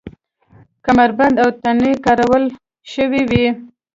کمربند او تڼۍ کارول شوې وې.